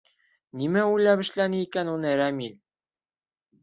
Нимә уйлап эшләне икән уны Рәмил?..